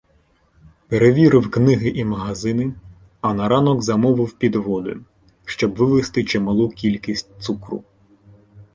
Перевірив книги і магазини, а на ранок замовив підводи, щоб вивезти чималу кількість цукру.